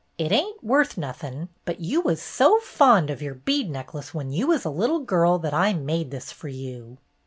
It ain't worth nothin', but you was so fond of your bead necklace when you was a little girl, that I made this fer you."